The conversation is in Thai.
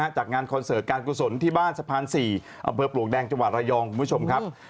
จากงานคอนเสิร์ตการกุศลที่บ้านสะพาน๔อำเภอปลวกแดงจังหวัดระยองคุณผู้ชมครับ